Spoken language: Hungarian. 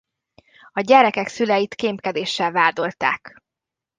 A gyerekek szüleit kémkedéssel vádolták.